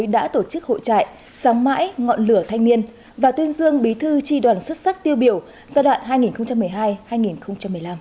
đã tổ chức hội trại sáng mãi ngọn lửa thanh niên và tuyên dương bí thư tri đoàn xuất sắc tiêu biểu giai đoạn hai nghìn một mươi hai hai nghìn một mươi năm